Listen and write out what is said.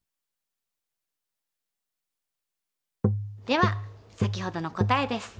では先ほどの答えです。